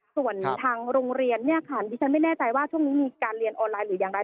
ส่วนทางโรงเรียนเนี่ยค่ะดิฉันไม่แน่ใจว่าช่วงนี้มีการเรียนออนไลน์หรืออย่างไร